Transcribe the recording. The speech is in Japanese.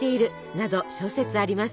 など諸説あります。